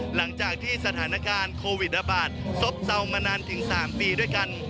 หลังจากที่สถานการณ์โควิดระบาดซบเซามานานถึง๓ปีด้วยกัน